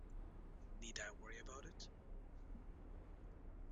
Need I worry about it?